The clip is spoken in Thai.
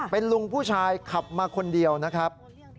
เป็นลุงผู้ชายขับมาคนเดียวนะครับ